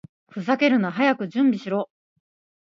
ふざけるな！早く準備しろ！